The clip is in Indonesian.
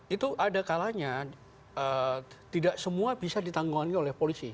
itu ada kalanya tidak semua bisa ditangguhani oleh polisi